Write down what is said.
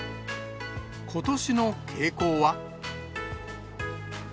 ことしの傾向は。